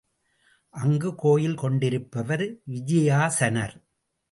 அங்கு கோயில் கொண்டிருப்பவர் விஜயாசனர்.